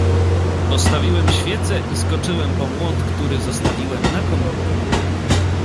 "Postawiłem świecę i skoczyłem po młot, który zostawiłem na kominku."